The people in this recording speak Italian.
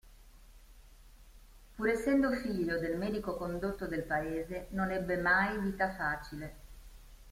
Pur essendo figlio del medico condotto del paese non ebbe mai vita facile.